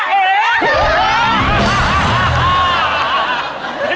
ตาเอ